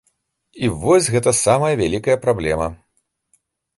І вось гэта самая вялікая праблема.